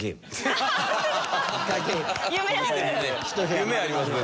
夢ありますね